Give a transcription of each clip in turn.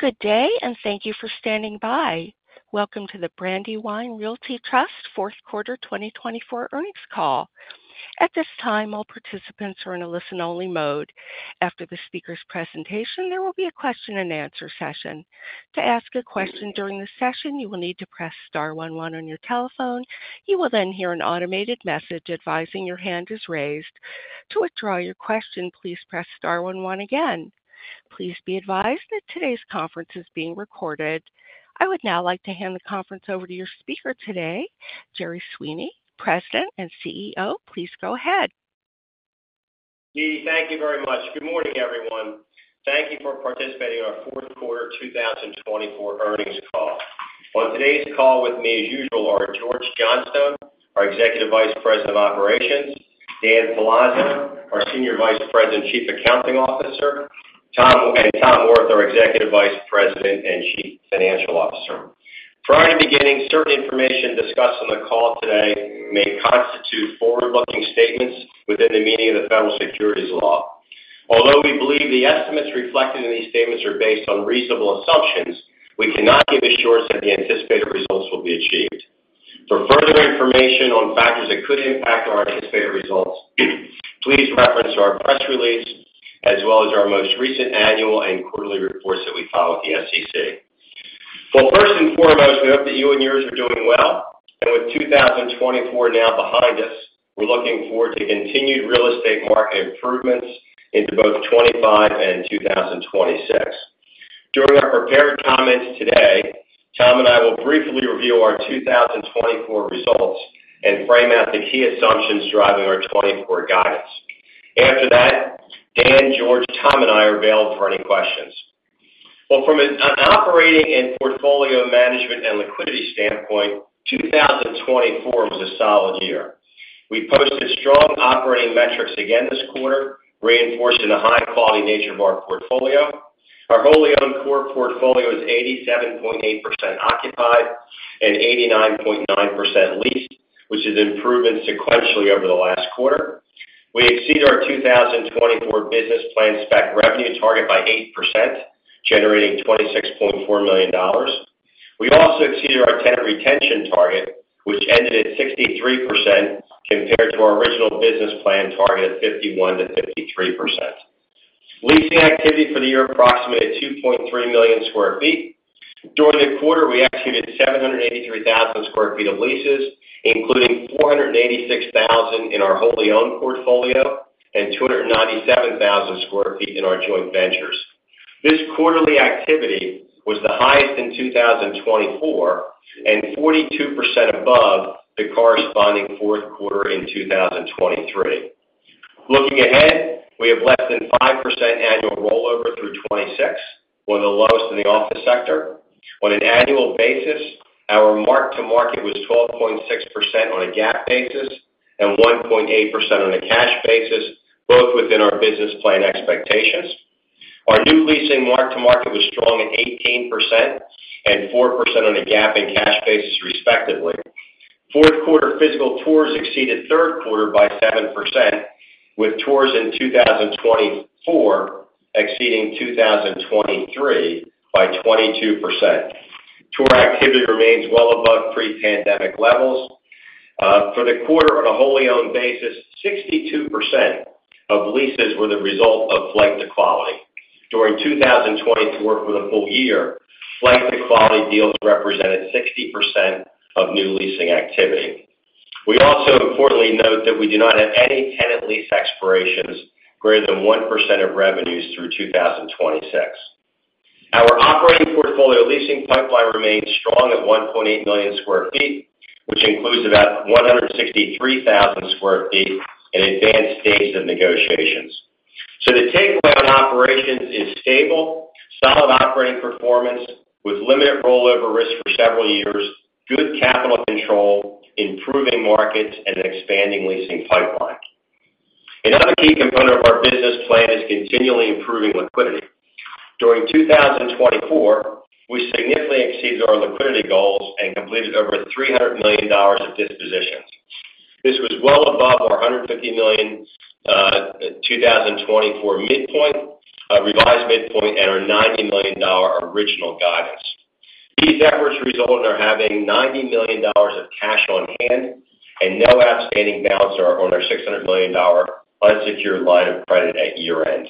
Good day, and thank you for standing by. Welcome to the Brandywine Realty Trust Fourth Quarter 2024 Earnings Call. At this time, all participants are in a listen-only mode. After the speaker's presentation, there will be a question-and-answer session. To ask a question during the session, you will need to press star one one on your telephone. You will then hear an automated message advising your hand is raised. To withdraw your question, please press star one one again. Please be advised that today's conference is being recorded. I would now like to hand the conference over to your speaker today, Jerry Sweeney, President and CEO. Please go ahead. Thank you very much. Good morning, everyone. Thank you for participating in our Fourth Quarter 2024 Earnings Call. On today's call with me, as usual, are George Johnstone, our Executive Vice President of Operations, Dan Palazzo, our Senior Vice President and Chief Accounting Officer, and Tom Wirth, our Executive Vice President and Chief Financial Officer. Prior to beginning, certain information discussed on the call today may constitute forward-looking statements within the meaning of the federal securities law. Although we believe the estimates reflected in these statements are based on reasonable assumptions, we cannot give assurance that the anticipated results will be achieved. For further information on factors that could impact our anticipated results, please reference our press release as well as our most recent annual and quarterly reports that we file with the SEC. First and foremost, we hope that you and yours are doing well. With 2024 now behind us, we're looking forward to continued real estate market improvements into both 2025 and 2026. During our prepared comments today, Tom and I will briefly review our 2024 results and frame out the key assumptions driving our 2024 guidance. After that, Dan, George, Tom, and I are available for any questions. From an operating and portfolio management and liquidity standpoint, 2024 was a solid year. We posted strong operating metrics again this quarter, reinforced in the high-quality nature of our portfolio. Our wholly-owned core portfolio is 87.8% occupied and 89.9% leased, which is an improvement sequentially over the last quarter. We exceeded our 2024 business plan spec revenue target by 8%, generating $26.4 million. We also exceeded our tenant retention target, which ended at 63% compared to our original business plan target of 51%-53%. Leasing activity for the year approximated 2.3 million sq ft. During the quarter, we executed 783,000 sq ft of leases, including 486,000 sq ft in our wholly-owned portfolio and 297,000 sq ft in our joint ventures. This quarterly activity was the highest in 2024 and 42% above the corresponding fourth quarter in 2023. Looking ahead, we have less than 5% annual rollover through 2026, one of the lowest in the office sector. On an annual basis, our mark-to-market was 12.6% on a GAAP basis and 1.8% on a cash basis, both within our business plan expectations. Our new leasing mark-to-market was strong at 18% and 4% on a GAAP and cash basis, respectively. Fourth quarter physical tours exceeded third quarter by 7%, with tours in 2024 exceeding 2023 by 22%. Tour activity remains well above pre-pandemic levels. For the quarter, on a wholly-owned basis, 62% of leases were the result of flight to quality. During 2024 for the full year, flight to quality deals represented 60% of new leasing activity. We also importantly note that we do not have any tenant lease expirations greater than 1% of revenues through 2026. Our operating portfolio leasing pipeline remains strong at 1.8 million sq ft, which includes about 163,000 sq ft in advanced stages of negotiations. So the takeaway on operations is stable, solid operating performance with limited rollover risk for several years, good capital control, improving markets, and an expanding leasing pipeline. Another key component of our business plan is continually improving liquidity. During 2024, we significantly exceeded our liquidity goals and completed over $300 million of dispositions. This was well above our $150 million 2024 revised midpoint and our $90 million original guidance. These efforts result in our having $90 million of cash on hand and no outstanding balance on our $600 million unsecured line of credit at year-end.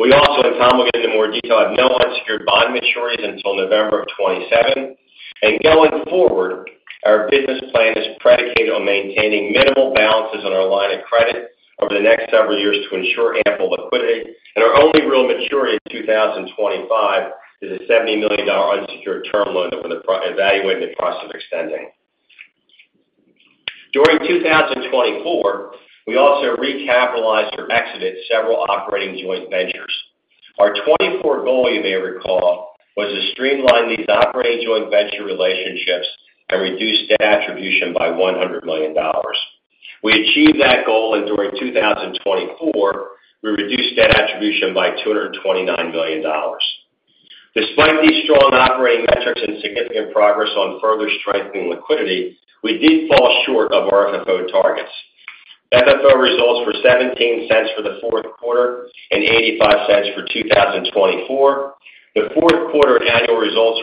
We also, and Tom will get into more detail, have no unsecured bond maturities until November of 2027. And going forward, our business plan is predicated on maintaining minimal balances on our line of credit over the next several years to ensure ample liquidity. And our only real maturity in 2025 is a $70 million unsecured term loan that we're evaluating the price of extending. During 2024, we also recapitalized or exited several operating joint ventures. Our 2024 goal, you may recall, was to streamline these operating joint venture relationships and reduce debt attribution by $100 million. We achieved that goal, and during 2024, we reduced debt attribution by $229 million. Despite these strong operating metrics and significant progress on further strengthening liquidity, we did fall short of our FFO targets. FFO results were $0.17 for the fourth quarter and $0.85 for 2024. The fourth quarter annual results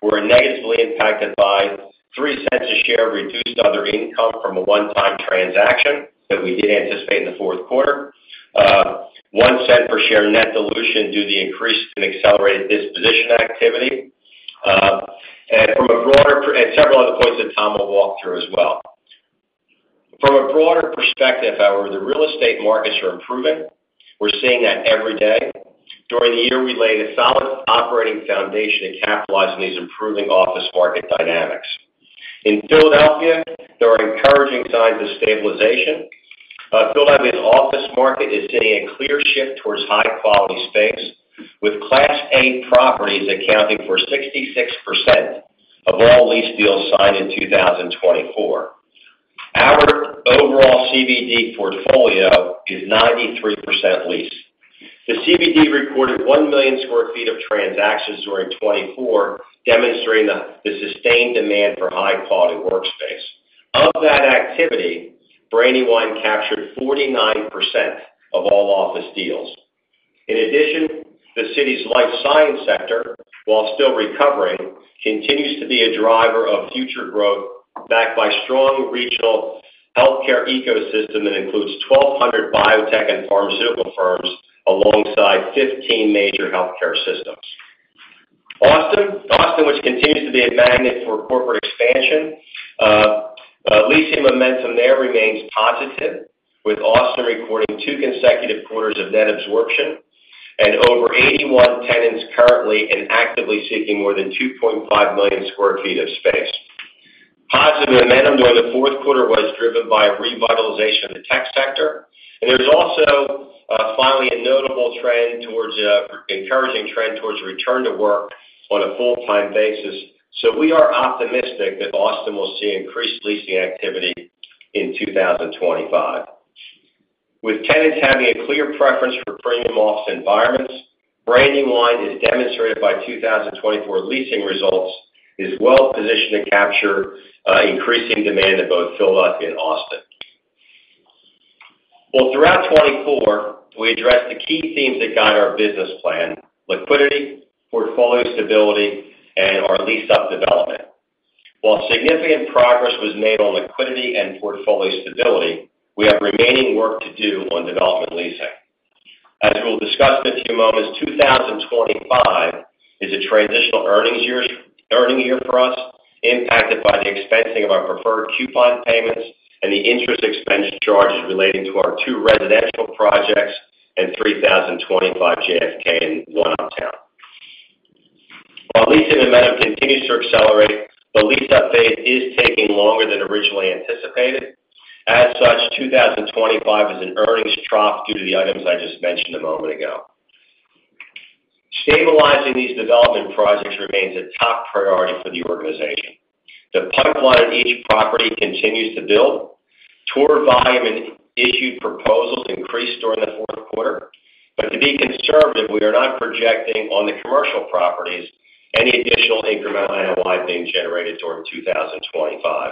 were negatively impacted by $0.03 a share of reduced other income from a one-time transaction that we did anticipate in the fourth quarter, $0.01 per share net dilution due to the increase in accelerated disposition activity, and from a broader perspective, and several other points that Tom will walk through as well. From a broader perspective, however, the real estate markets are improving. We're seeing that every day. During the year, we laid a solid operating foundation to capitalize on these improving office market dynamics. In Philadelphia, there are encouraging signs of stabilization. Philadelphia's office market is seeing a clear shift towards high-quality space, with Class A properties accounting for 66% of all lease deals signed in 2024. Our overall CBD portfolio is 93% leased. The CBD recorded 1 million sq ft of transactions during 2024, demonstrating the sustained demand for high-quality workspace. Of that activity, Brandywine captured 49% of all office deals. In addition, the city's life science sector, while still recovering, continues to be a driver of future growth backed by a strong regional healthcare ecosystem that includes 1,200 biotech and pharmaceutical firms alongside 15 major healthcare systems. Austin, which continues to be a magnet for corporate expansion. Leasing momentum there remains positive, with Austin recording two consecutive quarters of net absorption and over 81 tenants currently and actively seeking more than 2.5 million sq ft of space. Positive momentum during the fourth quarter was driven by revitalization of the tech sector. And there's also finally a notable trend towards an encouraging trend towards return to work on a full-time basis. So we are optimistic that Austin will see increased leasing activity in 2025. With tenants having a clear preference for premium office environments, Brandywine, as demonstrated by 2024 leasing results, is well positioned to capture increasing demand in both Philadelphia and Austin. Well, throughout 2024, we addressed the key themes that guide our business plan: liquidity, portfolio stability, and our lease-up development. While significant progress was made on liquidity and portfolio stability, we have remaining work to do on development leasing. As we will discuss in a few moments, 2025 is a transitional earnings year for us, impacted by the expensing of our preferred coupon payments and the interest expense charges relating to our two residential projects and 3025 JFK and One Uptown. While leasing momentum continues to accelerate, the lease-up phase is taking longer than originally anticipated. As such, 2025 is an earnings trough due to the items I just mentioned a moment ago. Stabilizing these development projects remains a top priority for the organization. The pipeline on each property continues to build. Tour volume and issued proposals increased during the fourth quarter. But to be conservative, we are not projecting on the commercial properties any additional incremental NOI being generated during 2025.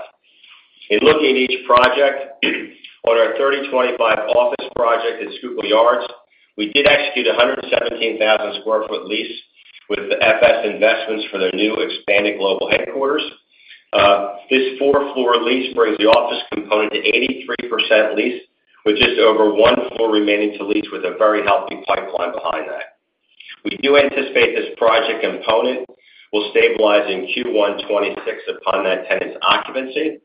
In looking at each project, on our 3025 office project at Schuylkill Yards, we did execute 117,000 sq ft lease with FS Investments for their new expanded global headquarters. This four-floor lease brings the office component to 83% leased, with just over one floor remaining to lease, with a very healthy pipeline behind that. We do anticipate this project component will stabilize in Q1 2026 upon that tenant's occupancy.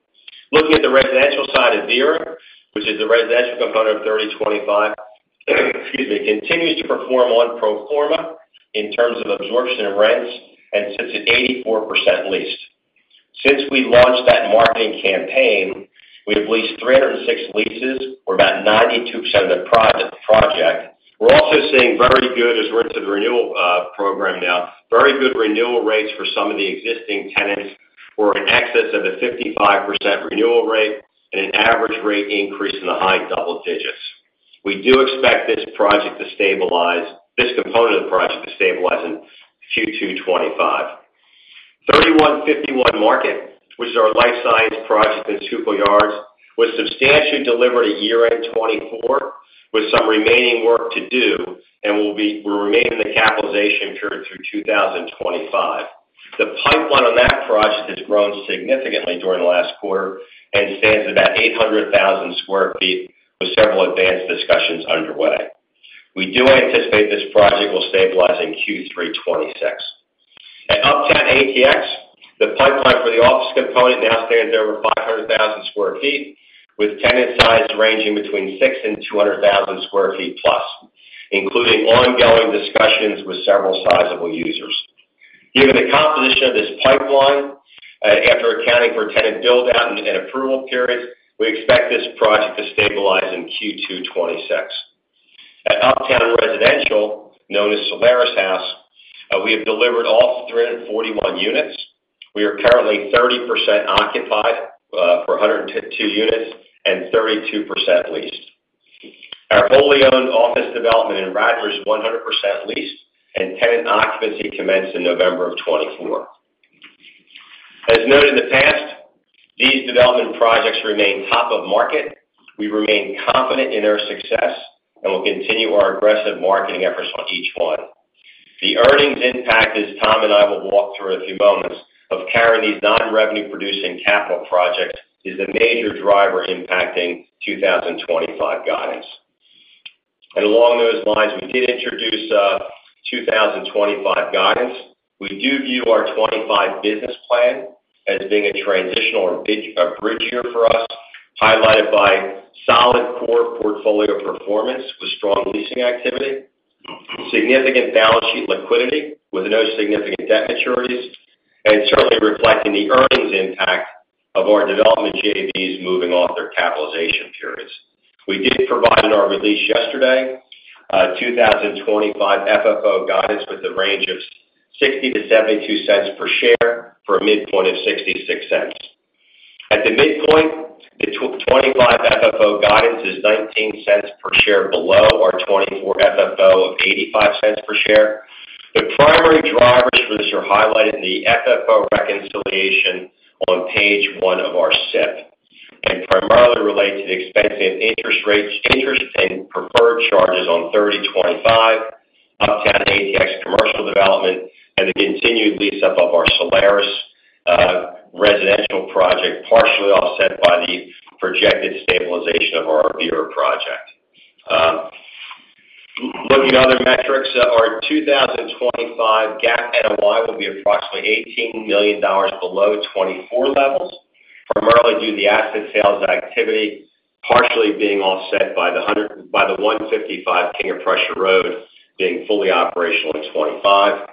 Looking at the residential side of Avira, which is the residential component of 3025, excuse me, continues to perform on proforma in terms of absorption and rents and sits at 84% leased. Since we launched that marketing campaign, we have leased 306 leases for about 92% of the project. We're also seeing very good, as we're into the renewal program now, very good renewal rates for some of the existing tenants who are in excess of the 55% renewal rate and an average rate increase in the high double digits. We do expect this project to stabilize, this component of the project to stabilize in Q2 2025. 3151 Market, which is our life science project in Schuylkill Yards, was substantially delivered at year-end 2024, with some remaining work to do and will remain in the capitalization period through 2025. The pipeline on that project has grown significantly during the last quarter and stands at about 800,000 sq ft, with several advanced discussions underway. We do anticipate this project will stabilize in Q3 2026. At Uptown ATX, the pipeline for the office component now stands at over 500,000 sq ft, with tenant size ranging between six and 200,000 sq ft plus, including ongoing discussions with several sizable users. Given the composition of this pipeline, after accounting for tenant build-out and approval periods, we expect this project to stabilize in Q2 2026. At Uptown Residential, known as Solaris House, we have delivered all 341 units. We are currently 30% occupied for 102 units and 32% leased. Our wholly-owned office development in Radnor is 100% leased, and tenant occupancy commenced in November of 2024. As noted in the past, these development projects remain top of market. We remain confident in their success and will continue our aggressive marketing efforts on each one. The earnings impact, as Tom and I will walk through in a few moments, of carrying these non-revenue-producing capital projects is the major driver impacting 2025 guidance, and along those lines, we did introduce 2025 guidance. We do view our 2025 business plan as being a transitional or a bridge year for us, highlighted by solid core portfolio performance with strong leasing activity, significant balance sheet liquidity with no significant debt maturities, and certainly reflecting the earnings impact of our development JVs moving off their capitalization periods. We did provide in our release yesterday 2025 FFO guidance with a range of $0.60-$0.72 per share for a midpoint of $0.66. At the midpoint, the 2025 FFO guidance is $0.19 per share below our 2024 FFO of $0.85 per share. The primary drivers for this are highlighted in the FFO reconciliation on page one of our SIP and primarily relate to the expensing of interest rates and preferred charges on 3025, Uptown ATX commercial development, and the continued lease-up of our Solaris residential project, partially offset by the projected stabilization of Avira project. Looking at other metrics, our 2025 GAAP NOI will be approximately $18 million below 2024 levels, primarily due to the asset sales activity partially being offset by the 155 King of Prussia Road being fully operational in 2025.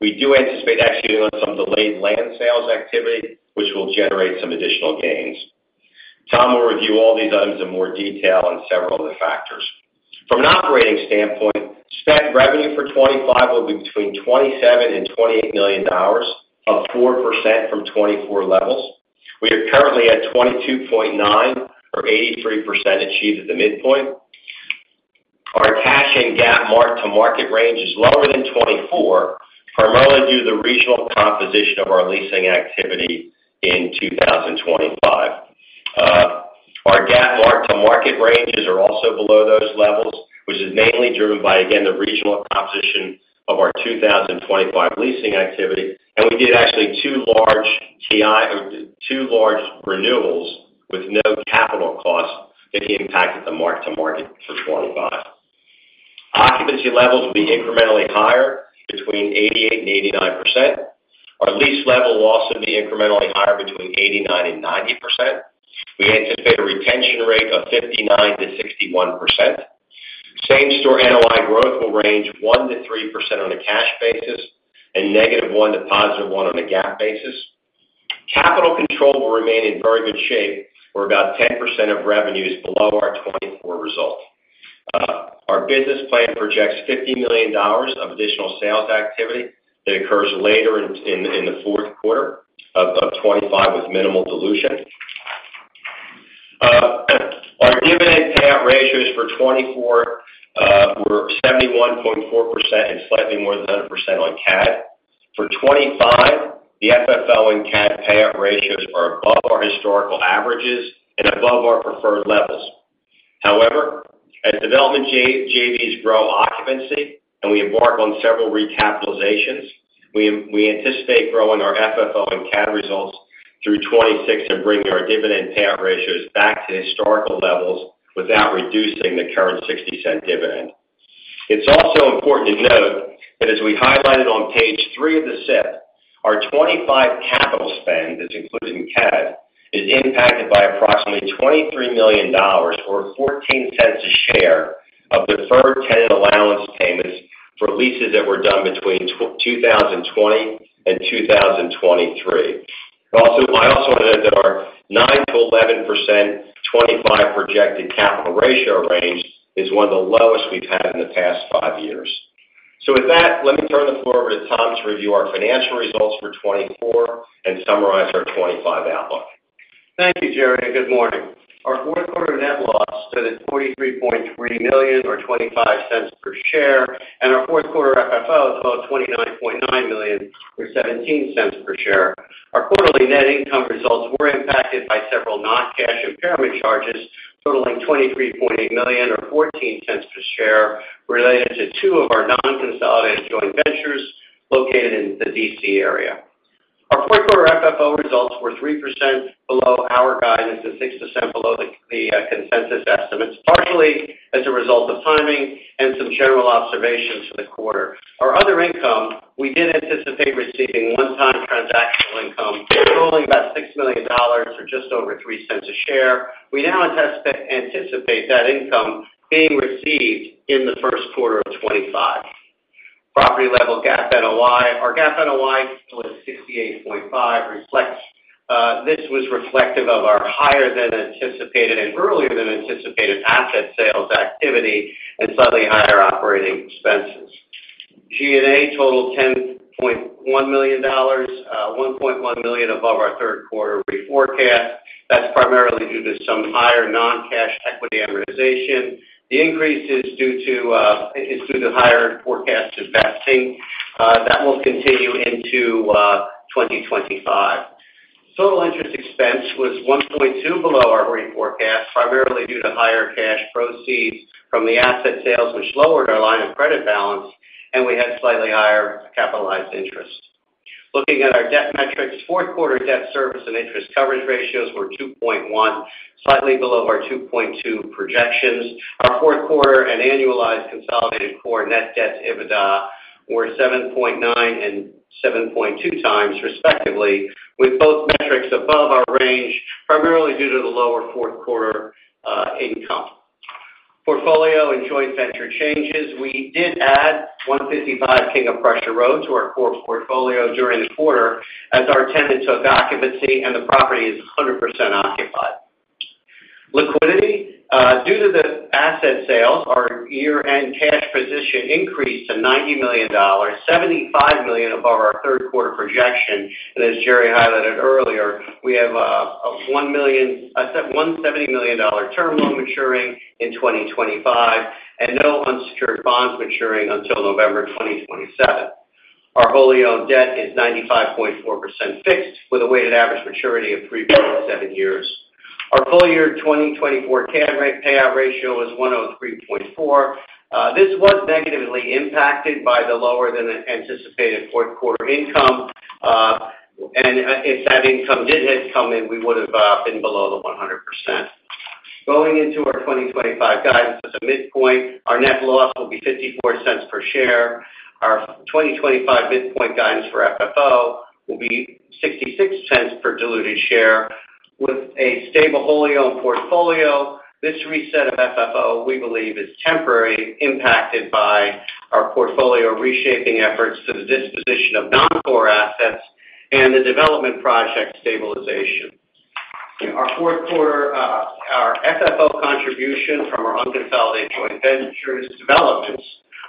We do anticipate executing on some delayed land sales activity, which will generate some additional gains. Tom will review all these items in more detail and several other factors. From an operating standpoint, spec revenue for 2025 will be between $27 million and $28 million, up 4% from 2024 levels. We are currently at 22.9, or 83% achieved, at the midpoint. Our cash and GAAP mark-to-market range is lower than 2024, primarily due to the regional composition of our leasing activity in 2025. Our GAAP mark-to-market ranges are also below those levels, which is mainly driven by, again, the regional composition of our 2025 leasing activity. And we did actually two large renewals with no capital costs that impacted the mark-to-market for 2025. Occupancy levels will be incrementally higher, between 88% and 89%. Our lease level will also be incrementally higher, between 89% and 90%. We anticipate a retention rate of 59%-61%. Same-store NOI growth will range 1%-3% on a cash basis and negative 1% to positive 1% on a GAAP basis. Capital control will remain in very good shape where about 10% of revenue is below our 2024 result. Our business plan projects $50 million of additional sales activity that occurs later in the fourth quarter of 2025 with minimal dilution. Our dividend payout ratios for 2024 were 71.4% and slightly more than 100% on CAD. For 2025, the FFO and CAD payout ratios are above our historical averages and above our preferred levels. However, as development JVs grow occupancy and we embark on several recapitalizations, we anticipate growing our FFO and CAD results through 2026 and bringing our dividend payout ratios back to historical levels without reducing the current $0.60 dividend. It's also important to note that as we highlighted on page three of the SIP, our 2025 capital spend, that's included in CAD, is impacted by approximately $23 million or $0.14 a share of deferred tenant allowance payments for leases that were done between 2020 and 2023. I also want to note that our 9%-11% 2025 projected capital ratio range is one of the lowest we've had in the past five years. So with that, let me turn the floor over to Tom to review our financial results for 2024 and summarize our 2025 outlook. Thank you, Jerry. Good morning. Our fourth quarter net loss stood at $43.3 million or $0.25 per share, and our fourth quarter FFO is $29.9 million or $0.17 per share. Our quarterly net income results were impacted by several non-cash impairment charges totaling $23.8 million or $0.14 per share related to two of our non-consolidated joint ventures located in the DC area. Our fourth quarter FFO results were 3% below our guidance and 6% below the consensus estimates, partially as a result of timing and some general observations for the quarter. Our other income, we did anticipate receiving one-time transactional income totaling about $6 million or just over 3 cents a share. We now anticipate that income being received in the first quarter of 2025. Property level GAAP NOI, our GAAP NOI was $68.5 million. This was reflective of our higher than anticipated and earlier than anticipated asset sales activity and slightly higher operating expenses. G&A totaled $10.1 million, $1.1 million above our third quarter reforecast. That's primarily due to some higher non-cash equity amortization. The increase is due to higher forecast investing that will continue into 2025. Total interest expense was $1.2 million below our reforecast, primarily due to higher cash proceeds from the asset sales, which lowered our line of credit balance, and we had slightly higher capitalized interest. Looking at our debt metrics, fourth quarter debt service and interest coverage ratios were 2.1, slightly below our 2.2 projections. Our fourth quarter and annualized consolidated core net debt EBITDA were 7.9 and 7.2 times, respectively, with both metrics above our range, primarily due to the lower fourth quarter income, portfolio and joint venture changes. We did add 155 King of Prussia Road to our core portfolio during the quarter as our tenants took occupancy, and the property is 100% occupied. Liquidity, due to the asset sales, our year-end cash position increased to $90 million, $75 million above our third quarter projection, and as Jerry highlighted earlier, we have a $170 million term loan maturing in 2025 and no unsecured bonds maturing until November 2027. Our wholly-owned debt is 95.4% fixed with a weighted average maturity of 3.7 years. Our full year 2024 CAD payout ratio is 103.4%. This was negatively impacted by the lower than anticipated fourth quarter income. And if that income did have come in, we would have been below the 100%. Going into our 2025 guidance, as a midpoint, our net loss will be $0.54 per share. Our 2025 midpoint guidance for FFO will be $0.66 per diluted share. With a stable wholly-owned portfolio, this reset of FFO, we believe, is temporary, impacted by our portfolio reshaping efforts to the disposition of non-core assets and the development project stabilization. Our fourth quarter FFO contribution from our unconsolidated joint ventures developments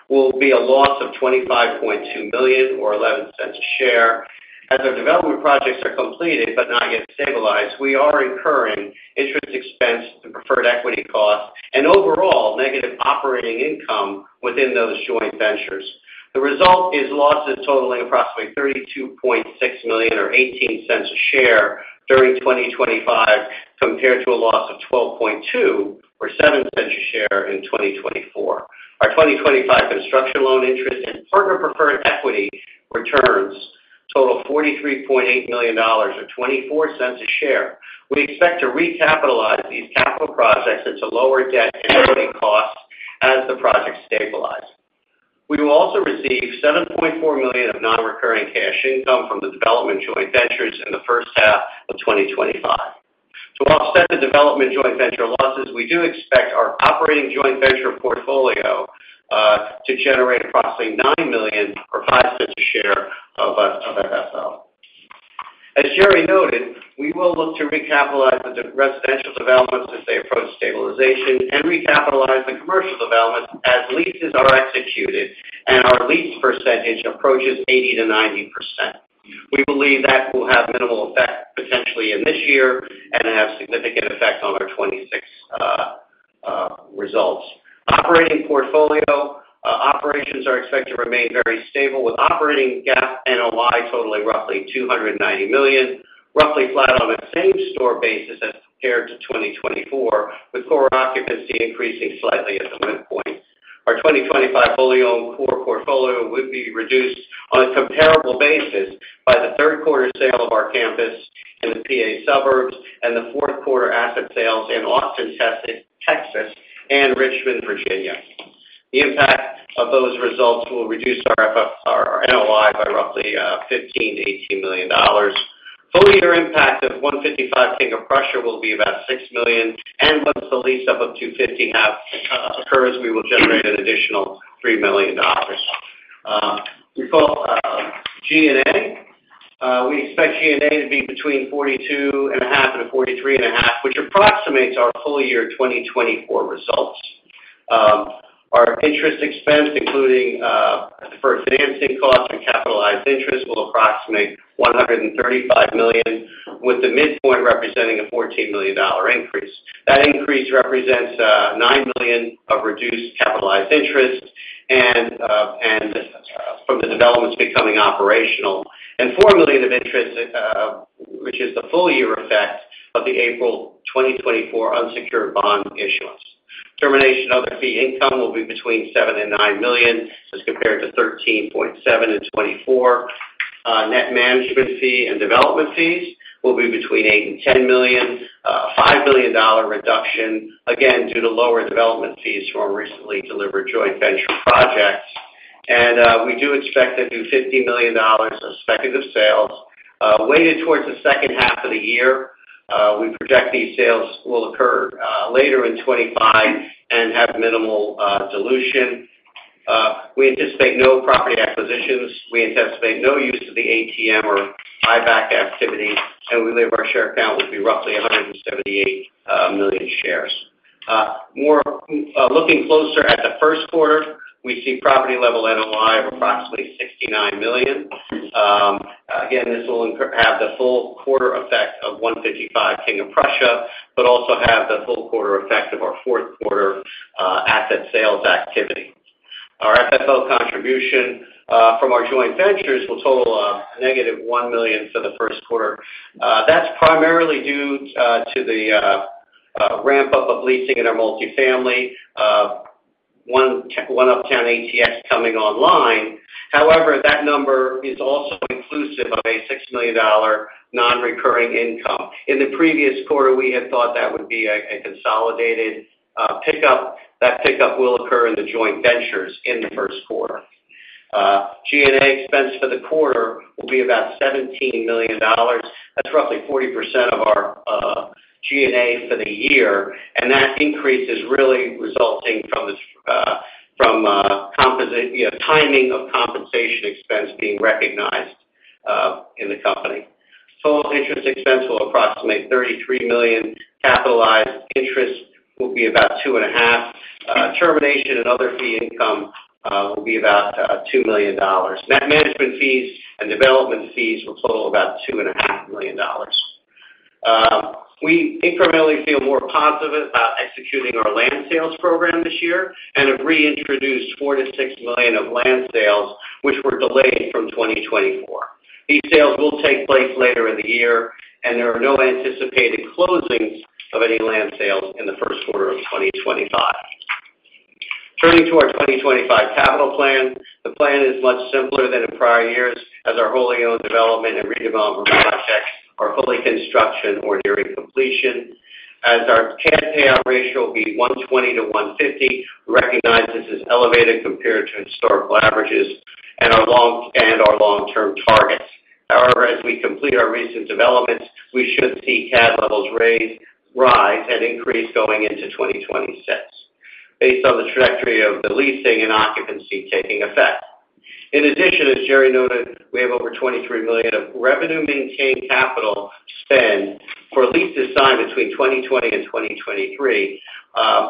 will be a loss of $25.2 million or $0.11 a share. As our development projects are completed but not yet stabilized, we are incurring interest expense, the preferred equity cost, and overall negative operating income within those joint ventures. The result is losses totaling approximately $32.6 million or $0.18 a share during 2025 compared to a loss of $12.2 million or $0.07 a share in 2024. Our 2025 construction loan interest and partner preferred equity returns total $43.8 million or $0.24 a share. We expect to recapitalize these capital projects into lower debt and equity costs as the projects stabilize. We will also receive $7.4 million of non-recurring cash income from the development joint ventures in the first half of 2025. To offset the development joint venture losses, we do expect our operating joint venture portfolio to generate approximately $9 million or $0.05 a share of FFO. As Jerry noted, we will look to recapitalize the residential developments as they approach stabilization and recapitalize the commercial developments as leases are executed and our lease percentage approaches 80%-90%. We believe that will have minimal effect potentially in this year and have significant effect on our 2026 results. Operating portfolio operations are expected to remain very stable with operating GAAP NOI totaling roughly $290 million, roughly flat on the same store basis as compared to 2024, with core occupancy increasing slightly at the midpoint. Our 2025 wholly-owned core portfolio would be reduced on a comparable basis by the third quarter sale of our campus in the PA suburbs and the fourth quarter asset sales in Austin, Texas, and Richmond, Virginia. The impact of those results will reduce our NOI by roughly $15 million-$18 million. Full year impact of 155 King of Prussia will be about $6 million, and once the lease-up of 250 occurs, we will generate an additional $3 million. G&A, we expect G&A to be between $42.5 million-$43.5 million, which approximates our full year 2024 results. Our interest expense, including deferred financing costs and capitalized interest, will approximate $135 million, with the midpoint representing a $14 million increase. That increase represents $9 million of reduced capitalized interest from the developments becoming operational and $4 million of interest, which is the full year effect of the April 2024 unsecured bond issuance. Termination of the fee income will be between $7 million-$9 million as compared to $13.7 million in 2024. Net management fee and development fees will be between $8 million-$10 million, a $5 million reduction, again, due to lower development fees from recently delivered joint venture projects. And we do expect to do $50 million of expected sales weighted towards the second half of the year. We project these sales will occur later in 2025 and have minimal dilution. We anticipate no property acquisitions. We anticipate no use of the ATM or buyback activity, and we believe our share count will be roughly 178 million shares. Looking closer at the first quarter, we see property level NOI of approximately $69 million. Again, this will have the full quarter effect of 155 King of Prussia, but also have the full quarter effect of our fourth quarter asset sales activity. Our FFO contribution from our joint ventures will total negative $1 million for the first quarter. That's primarily due to the ramp-up of leasing in our multifamily, Uptown ATX coming online. However, that number is also inclusive of a $6 million non-recurring income. In the previous quarter, we had thought that would be a consolidated pickup. That pickup will occur in the joint ventures in the first quarter. G&A expense for the quarter will be about $17 million. That's roughly 40% of our G&A for the year, and that increase is really resulting from timing of compensation expense being recognized in the company. Total interest expense will approximate $33 million. Capitalized interest will be about $2.5 million. Termination and other fee income will be about $2 million. Net management fees and development fees will total about $2.5 million. We incrementally feel more positive about executing our land sales program this year and have reintroduced $4 million-$6 million of land sales, which were delayed from 2024. These sales will take place later in the year, and there are no anticipated closings of any land sales in the first quarter of 2025. Turning to our 2025 capital plan, the plan is much simpler than in prior years as our wholly-owned development and redevelopment projects are fully construction or nearing completion. As our CAD payout ratio will be 120%-150%, we recognize this is elevated compared to historical averages and our long-term targets. However, as we complete our recent developments, we should see CAD levels rise and increase going into 2026 based on the trajectory of the leasing and occupancy taking effect. In addition, as Jerry noted, we have over $23 million of revenue-maintained capital spend for leases signed between 2020 and 2023.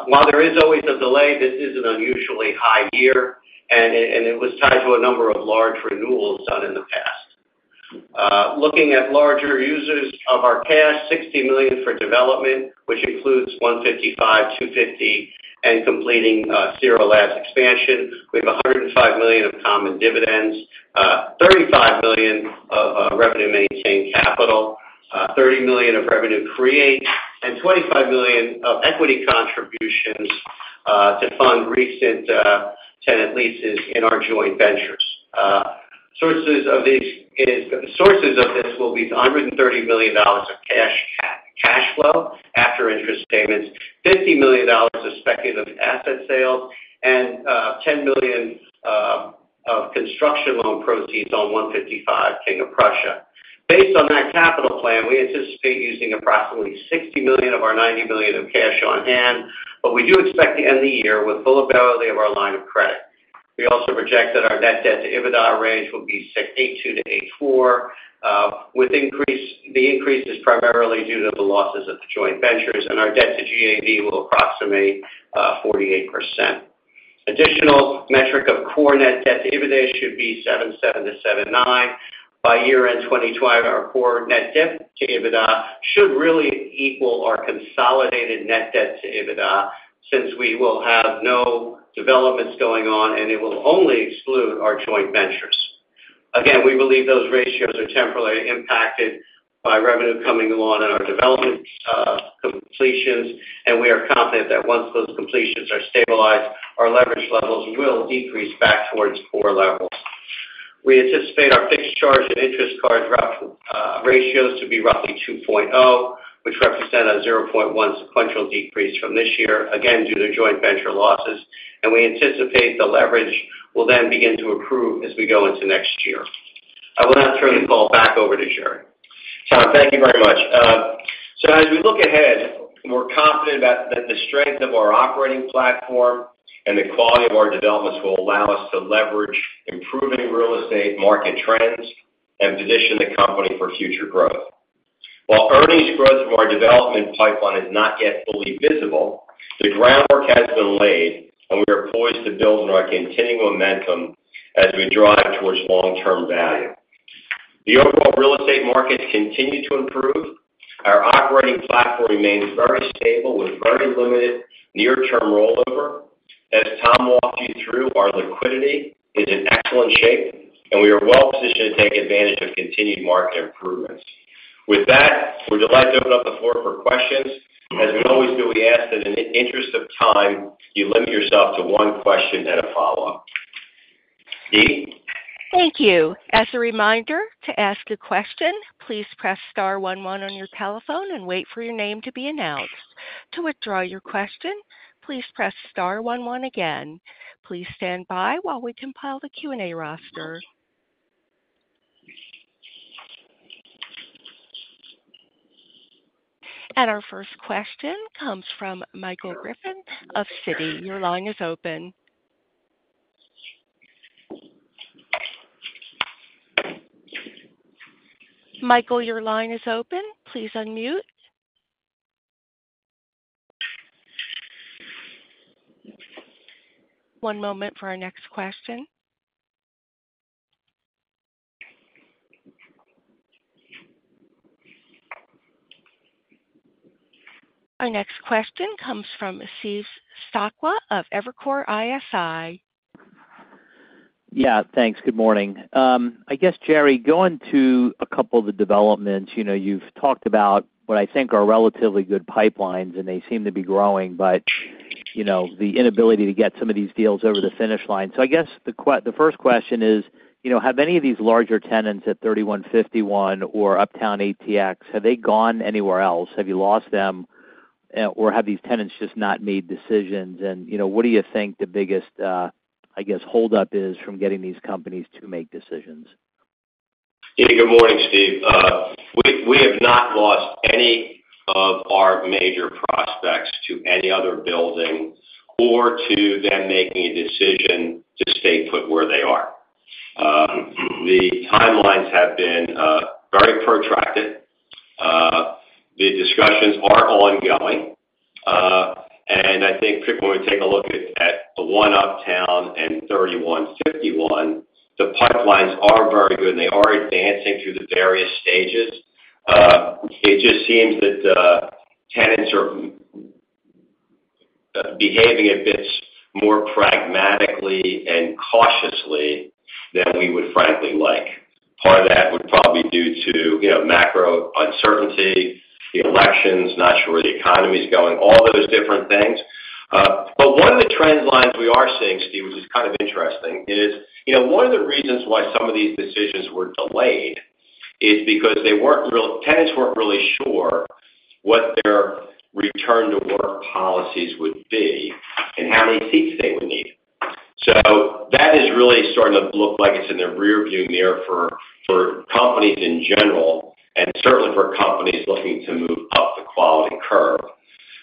While there is always a delay, this is an unusually high year, and it was tied to a number of large renewals done in the past. Looking at larger users of our cash, $60 million for development, which includes 155, 250, and completing Cira Labs expansion. We have $105 million of common dividends, $35 million of revenue-maintained capital, $30 million of revenue create, and $25 million of equity contributions to fund recent tenant leases in our joint ventures. Sources of this will be $130 million of cash flow after interest payments, $50 million of expected asset sales, and $10 million of construction loan proceeds on 155 King of Prussia. Based on that capital plan, we anticipate using approximately $60 million of our $90 million of cash on hand, but we do expect to end the year with full ability of our line of credit. We also project that our net debt to EBITDA range will be 82-84, with the increase primarily due to the losses of the joint ventures, and our debt to GAV will approximate 48%. Additional metric of core net debt to EBITDA should be 77-79. By year-end 2025, our core net debt to EBITDA should really equal our consolidated net debt to EBITDA since we will have no developments going on, and it will only exclude our joint ventures. Again, we believe those ratios are temporarily impacted by revenue coming along in our development completions, and we are confident that once those completions are stabilized, our leverage levels will decrease back towards core levels. We anticipate our fixed charge and interest coverage ratios to be roughly 2.0, which represent a 0.1 sequential decrease from this year, again, due to joint venture losses, and we anticipate the leverage will then begin to improve as we go into next year. I will now turn the call back over to Jerry. Tom, thank you very much. So as we look ahead, we're confident that the strength of our operating platform and the quality of our developments will allow us to leverage improving real estate market trends and position the company for future growth. While earnings growth from our development pipeline is not yet fully visible, the groundwork has been laid, and we are poised to build on our continuing momentum as we drive towards long-term value. The overall real estate markets continue to improve. Our operating platform remains very stable with very limited near-term rollover. As Tom walked you through, our liquidity is in excellent shape, and we are well positioned to take advantage of continued market improvements. With that, we're delighted to open up the floor for questions. As we always do, we ask that in the interest of time, you limit yourself to one question and a follow-up. Dee? Thank you. As a reminder, to ask a question, please press star one one on your telephone and wait for your name to be announced. To withdraw your question, please press star one one again. Please stand by while we compile the Q&A roster. Our first question comes from Michael Griffin of Citi. Your line is open. Michael, your line is open. Please unmute. One moment for our next question. Our next question comes from Steve Sakwa of Evercore ISI. Yeah, thanks. Good morning. I guess, Jerry, going to a couple of the developments, you've talked about what I think are relatively good pipelines, and they seem to be growing, but the inability to get some of these deals over the finish line. I guess the first question is, have any of these larger tenants at 3151 or Uptown ATX, have they gone anywhere else? Have you lost them, or have these tenants just not made decisions? And what do you think the biggest, I guess, holdup is from getting these companies to make decisions? Yeah, good morning, Steve. We have not lost any of our major prospects to any other building or to them making a decision to stay put where they are. The timelines have been very protracted. The discussions are ongoing, and I think when we take a look at the One Uptown and 3151, the pipelines are very good, and they are advancing through the various stages. It just seems that tenants are behaving a bit more pragmatically and cautiously than we would frankly like. Part of that would probably be due to macro uncertainty, the elections, not sure where the economy's going, all those different things. But one of the trend lines we are seeing, Steve, which is kind of interesting, is one of the reasons why some of these decisions were delayed is because tenants weren't really sure what their return-to-work policies would be and how many seats they would need. So that is really starting to look like it's in the rearview mirror for companies in general and certainly for companies looking to move up the quality curve.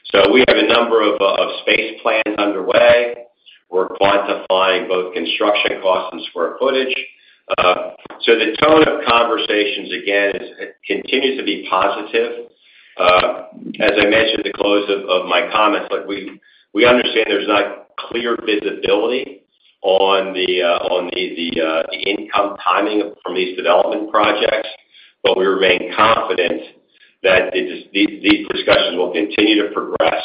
So we have a number of space plans underway. We're quantifying both construction costs and square footage. So the tone of conversations, again, continues to be positive. As I mentioned at the close of my comments, we understand there's not clear visibility on the income timing from these development projects, but we remain confident that these discussions will continue to progress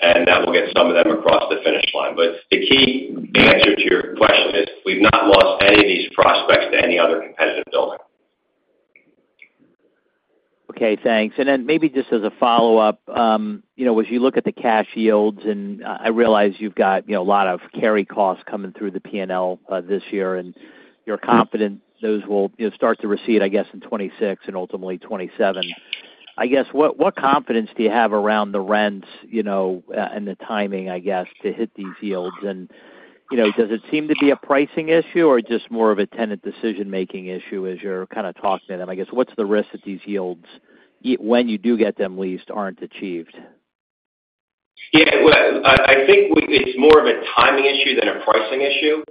and that we'll get some of them across the finish line. But the key answer to your question is we've not lost any of these prospects to any other competitive building. Okay, thanks. And then maybe just as a follow-up, as you look at the cash yields, and I realize you've got a lot of carry costs coming through the P&L this year, and you're confident those will start to recede, I guess, in 2026 and ultimately 2027. I guess, what confidence do you have around the rents and the timing, I guess, to hit these yields? And does it seem to be a pricing issue or just more of a tenant decision-making issue as you're kind of talking to them? I guess, what's the risk that these yields, when you do get them leased, aren't achieved? Yeah, I think it's more of a timing issue than a pricing issue.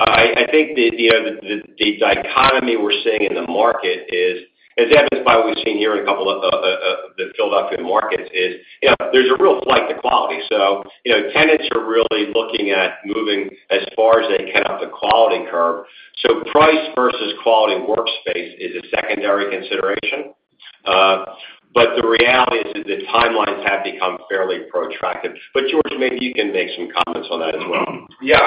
I think the dichotomy we're seeing in the market is, as evidenced by what we've seen here in a couple of the Philadelphia markets, there's a real flight to quality. So tenants are really looking at moving as far as they can up the quality curve. So price versus quality workspace is a secondary consideration. But the reality is that the timelines have become fairly protracted. But George, maybe you can make some comments on that as well. Yeah,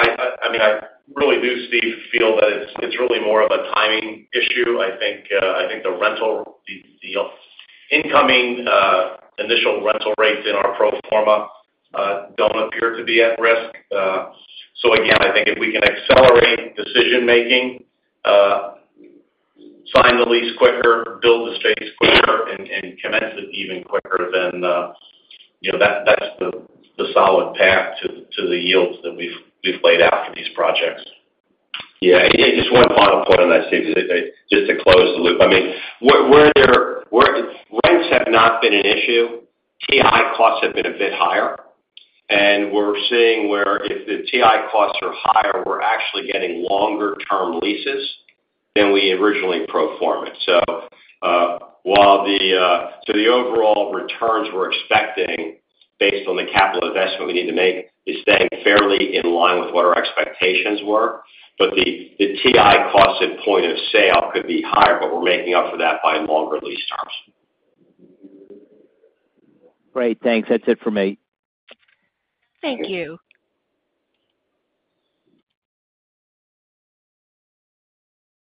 I mean, I really do, Steve, feel that it's really more of a timing issue. I think the incoming initial rental rates in our pro forma don't appear to be at risk. So again, I think if we can accelerate decision-making, sign the lease quicker, build the space quicker, and commence it even quicker, then that's the solid path to the yields that we've laid out for these projects. Yeah, just one final point on that, Steve, just to close the loop. I mean, where rents have not been an issue, TI costs have been a bit higher, and we're seeing where if the TI costs are higher, we're actually getting longer-term leases than we originally pro forma. So while the overall returns we're expecting based on the capital investment we need to make is staying fairly in line with what our expectations were, but the TI cost at point of sale could be higher, but we're making up for that by longer lease terms. Great, thanks. That's it for me. Thank you.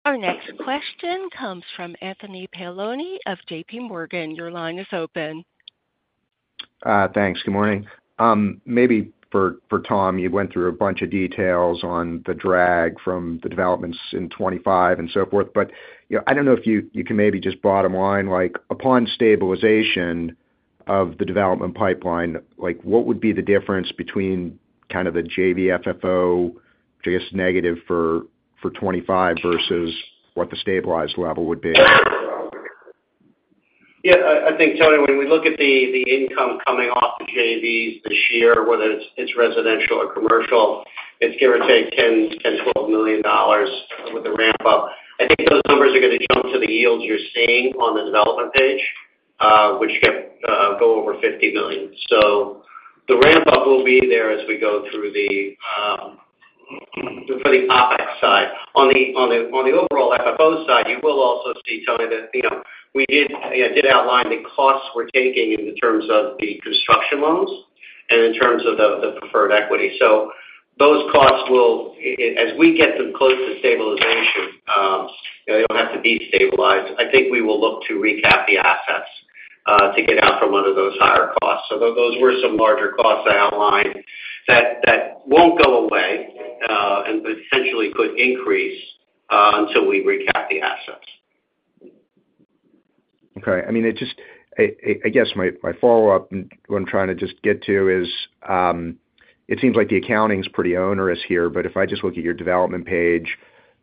Our next question comes from Anthony Paolone of J.P. Morgan. Your line is open. Thanks. Good morning. Maybe for Tom, you went through a bunch of details on the drag from the developments in 2025 and so forth, but I don't know if you can maybe just bottom line, upon stabilization of the development pipeline, what would be the difference between kind of the JV FFO, which I guess is negative for 2025 versus what the stabilized level would be? Yeah, I think, Tony, when we look at the income coming off the JVs this year, whether it's residential or commercial, it's give or take $10 million-$12 million with the ramp-up. I think those numbers are going to jump to the yields you're seeing on the development page, which go over $50 million. So the ramp-up will be there as we go through the OpEx side. On the overall FFO side, you will also see, Tony, that we did outline the costs we're taking in terms of the construction loans and in terms of the preferred equity. So those costs, as we get them close to stabilization, they don't have to be stabilized. I think we will look to recap the assets to get out from under those higher costs. So those were some larger costs I outlined that won't go away and potentially could increase until we recap the assets. Okay. I mean, I guess my follow-up, what I'm trying to just get to is it seems like the accounting's pretty onerous here, but if I just look at your development page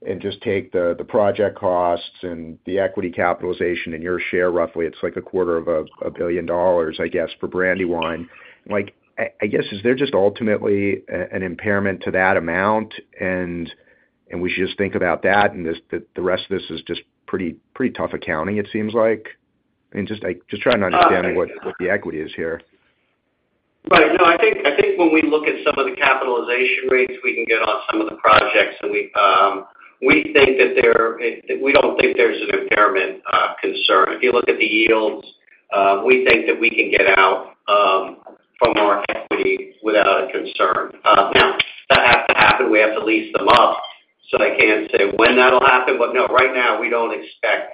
and just take the project costs and the equity capitalization and your share roughly, it's like $250 million, I guess, for Brandywine. I guess, is there just ultimately an impairment to that amount? And we should just think about that, and the rest of this is just pretty tough accounting, it seems like. I mean, just trying to understand what the equity is here. Right. No, I think when we look at some of the capitalization rates we can get on some of the projects, and we think that there we don't think there's an impairment concern. If you look at the yields, we think that we can get out from our equity without a concern. Now, that has to happen. We have to lease them up, so I can't say when that'll happen, but no, right now, we don't expect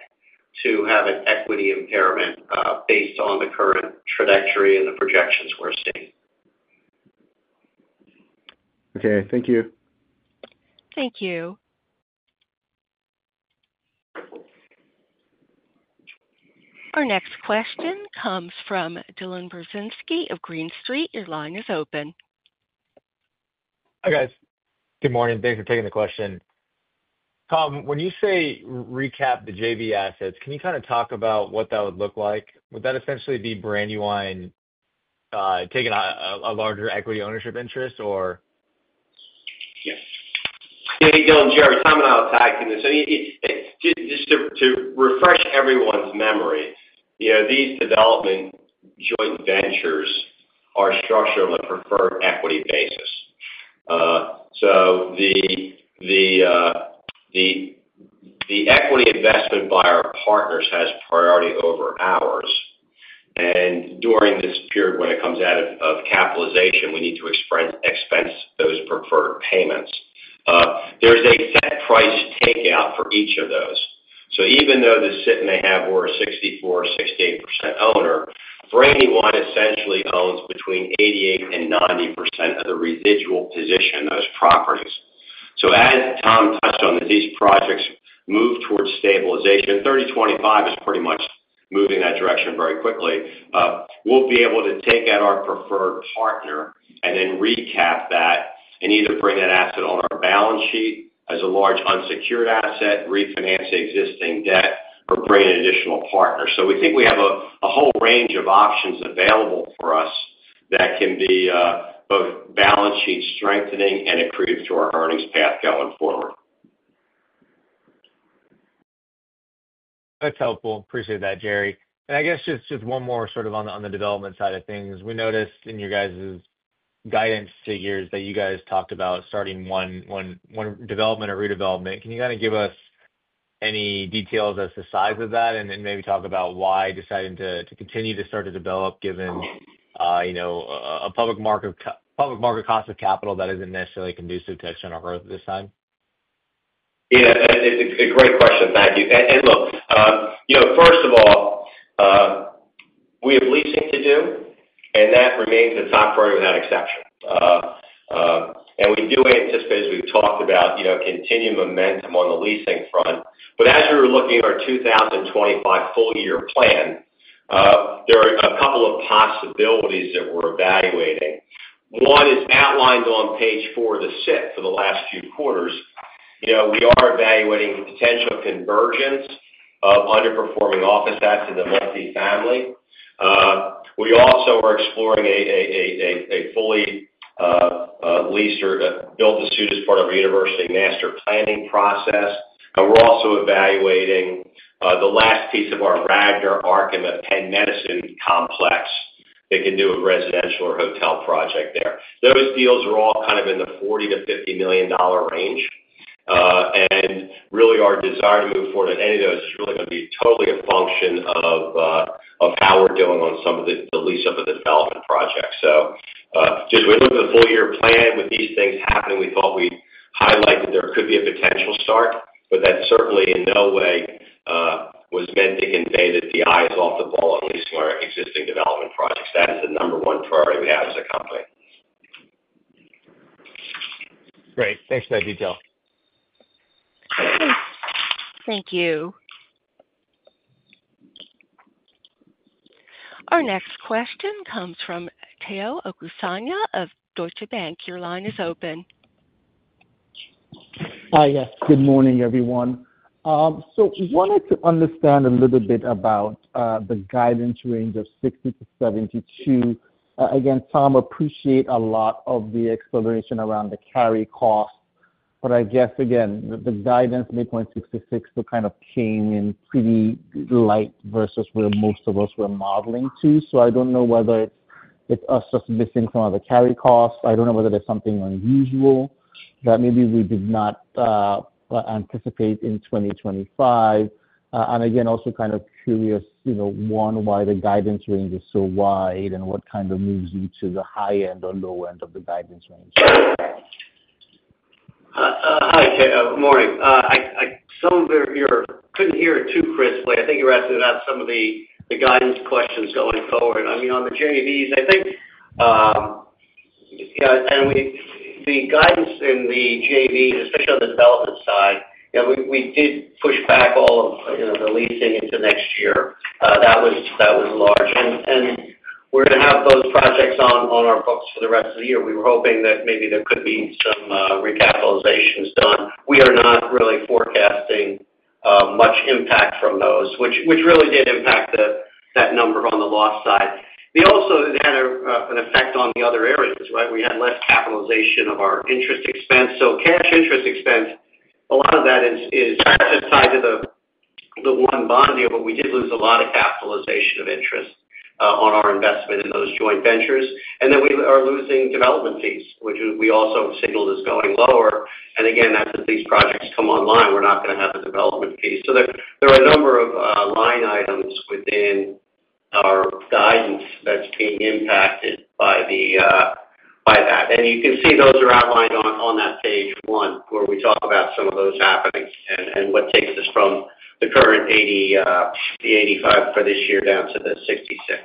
to have an equity impairment based on the current trajectory and the projections we're seeing. Okay, thank you. Thank you. Our next question comes from Dylan Burzinski of Green Street. Your line is open. Hi, guys. Good morning. Thanks for taking the question. Tom, when you say recap the JV assets, can you kind of talk about what that would look like? Would that essentially be Brandywine taking a larger equity ownership interest, or? Yes. Hey, Dylan, Jerry, Tom and I will tag to this. Just to refresh everyone's memory, these development joint ventures are structured on a preferred equity basis. So the equity investment by our partners has priority over ours. And during this period, when it comes out of capitalization, we need to expense those preferred payments. There's a set price takeout for each of those. So even though the JV may have over 64%, 68% ownership, Brandywine essentially owns between 88% and 90% of the residual position, those properties. So as Tom touched on, as these projects move toward stabilization, 3025 is pretty much moving in that direction very quickly. We'll be able to take out our preferred partner and then recap that and either bring that asset on our balance sheet as a large unsecured asset, refinance existing debt, or bring in additional partners. So we think we have a whole range of options available for us that can be both balance sheet strengthening and accretive to our earnings path going forward. That's helpful. Appreciate that, Jerry. And I guess just one more sort of on the development side of things. We noticed in your guys' guidance figures that you guys talked about starting one development or redevelopment. Can you kind of give us any details as to the size of that and maybe talk about why deciding to continue to start to develop given a public market cost of capital that isn't necessarily conducive to external growth at this time? Yeah, it's a great question. Thank you. Look, first of all, we have leasing to do, and that remains a top priority without exception. And we do anticipate, as we've talked about, continued momentum on the leasing front. As we were looking at our 2025 full-year plan, there are a couple of possibilities that we're evaluating. One is outlined on page four of the SIP for the last few quarters. We are evaluating potential conversion of underperforming office assets into multifamily. We also are exploring a fully leased or build-to-suit as part of a university master planning process. We're also evaluating the last piece of our Radnor campus at Penn Medicine complex. They can do a residential or hotel project there. Those deals are all kind of in the $40 million-$50 million range. Really, our desire to move forward on any of those is really going to be totally a function of how we're doing on some of the lease-up of the development projects. Just when we look at the full-year plan, with these things happening, we thought we'd highlight that there could be a potential start, but that certainly in no way was meant to convey that the eye is off the ball on leasing our existing development projects. That is the number one priority we have as a company. Great. Thanks for that detail. Thank you. Our next question comes from Tayo Okusanya of Deutsche Bank. Your line is open. Hi, yes. Good morning, everyone. So I wanted to understand a little bit about the guidance range of 60 to 72. Again, Tom, I appreciate a lot of the exploration around the carry cost, but I guess, again, the guidance midpoint 66 still kind of came in pretty light versus where most of us were modeling to. So I don't know whether it's us just missing some of the carry costs. I don't know whether there's something unusual that maybe we did not anticipate in 2025. And again, also kind of curious, one, why the guidance range is so wide and what kind of moves you to the high end or low end of the guidance range. Hi, Tayo. Good morning. I couldn't hear it too crisply. I think you were asking about some of the guidance questions going forward. I mean, on the JVs, I think the guidance in the JVs, especially on the development side, we did push back all of the leasing into next year. That was large. And we're going to have those projects on our books for the rest of the year. We were hoping that maybe there could be some recapitalizations done. We are not really forecasting much impact from those, which really did impact that number on the loss side. They also had an effect on the other areas, right? We had less capitalization of our interest expense. So cash interest expense, a lot of that is just tied to the one bond deal, but we did lose a lot of capitalization of interest on our investment in those joint ventures. And then we are losing development fees, which we also signaled as going lower. Again, as these projects come online, we're not going to have a development fee. So there are a number of line items within our guidance that's being impacted by that. And you can see those are outlined on that page one where we talk about some of those happenings and what takes us from the current 85 for this year down to the 66.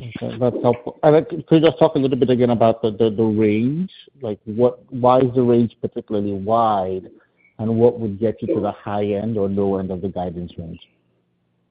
Okay. That's helpful. Could you just talk a little bit again about the range? Why is the range particularly wide, and what would get you to the high end or low end of the guidance range?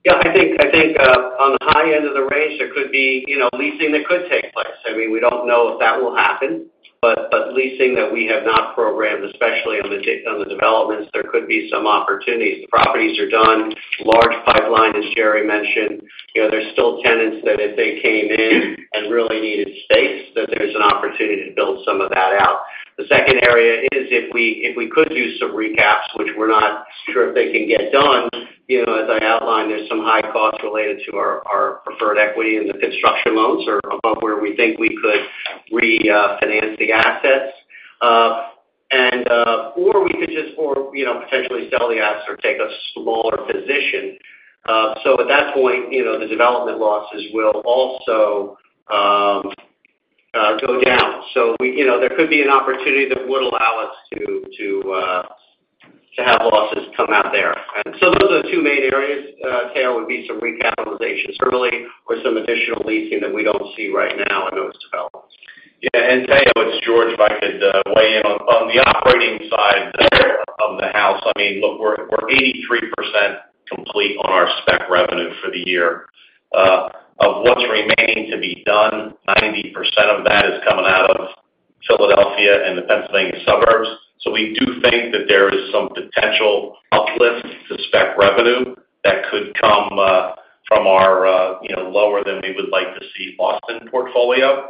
Yeah, I think on the high end of the range, there could be leasing that could take place. I mean, we don't know if that will happen, but leasing that we have not programmed, especially on the developments, there could be some opportunities. The properties are done, large pipeline, as Jerry mentioned. There's still tenants that, if they came in and really needed space, that there's an opportunity to build some of that out. The second area is if we could do some recaps, which we're not sure if they can get done. As I outlined, there's some high costs related to our preferred equity and the construction loans are above where we think we could refinance the assets. And or we could just potentially sell the asset or take a smaller position. So at that point, the development losses will also go down. So there could be an opportunity that would allow us to have losses come out there. And so those are the two main areas. Teo would be some recapitalization early or some additional leasing that we don't see right now in those developments. Yeah. Tayo, it's George if I could weigh in on the operating side of the house. I mean, look, we're 83% complete on our spec revenue for the year. Of what's remaining to be done, 90% of that is coming out of Philadelphia and the Pennsylvania suburbs. So we do think that there is some potential uplift to spec revenue that could come from our lower than we would like to see Boston portfolio.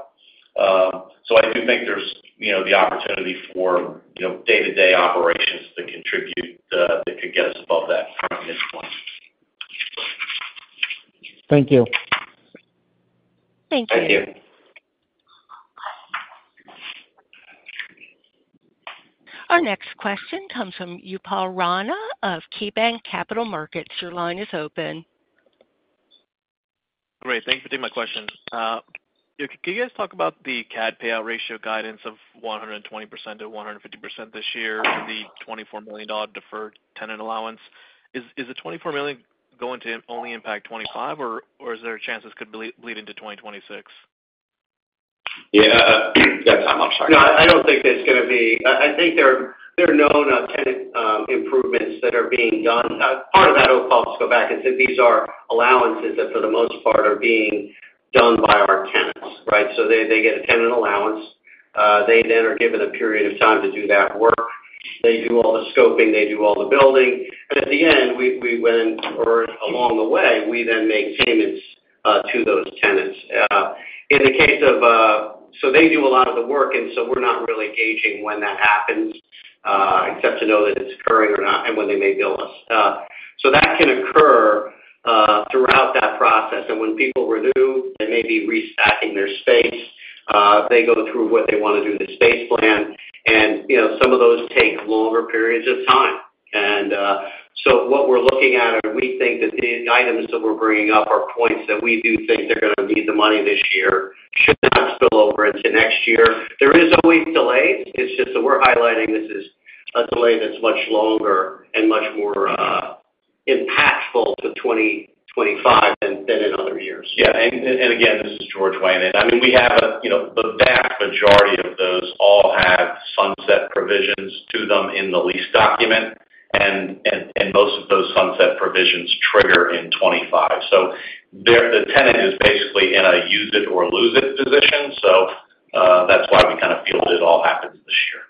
So I do think there's the opportunity for day-to-day operations that could get us above that at this point. Thank you. Thank you. Our next question comes from Upal Rana of KeyBanc Capital Markets. Your line is open. Great. Thanks for taking my question. Can you guys talk about the CAD payout ratio guidance of 120%-150% this year for the $24 million deferred tenant allowance? Is the $24 million going to only impact 2025, or is there a chance this could bleed into 2026? Yeah. Yeah, Tom, I'm sorry. No, I don't think there's going to be. I think there are known tenant improvements that are being done. Part of that, OpEx, go back and say these are allowances that, for the most part, are being done by our tenants, right? So they get a tenant allowance. They then are given a period of time to do that work. They do all the scoping. They do all the building. And at the end, we went and along the way, we then make payments to those tenants. In the case of so they do a lot of the work, and so we're not really gauging when that happens except to know that it's occurring or not and when they may bill us. So that can occur throughout that process. And when people renew, they may be restocking their space. They go through what they want to do with the space plan. And some of those take longer periods of time. And so what we're looking at, and we think that the items that we're bringing up are points that we do think they're going to need the money this year, should not spill over into next year. There is always delays. It's just that we're highlighting this as a delay that's much longer and much more impactful to 2025 than in other years. Yeah. And again, this is George weighing in. I mean, we have the vast majority of those all have sunset provisions to them in the lease document, and most of those sunset provisions trigger in 2025. So the tenant is basically in a use it or lose it position. So that's why we kind of feel that it all happens this year.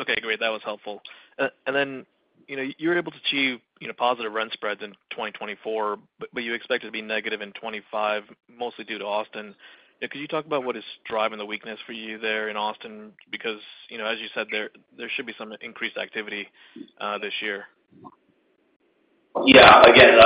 Okay. Great. That was helpful. And then you were able to achieve positive rent spreads in 2024, but you expect it to be negative in 2025, mostly due to Austin. Could you talk about what is driving the weakness for you there in Austin? Because, as you said, there should be some increased activity this year. Yeah. Again,